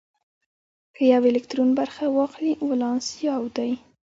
که یو الکترون برخه واخلي ولانس یو دی.